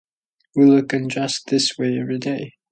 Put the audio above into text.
We look and dress this way every day.